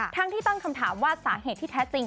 ทั้งที่ตั้งคำถามว่าสาเหตุที่แท้จริง